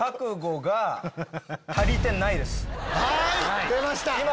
はい出ました！